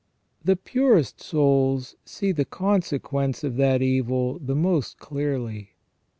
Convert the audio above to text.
The purest souls see the consequence of that evil the most clearly.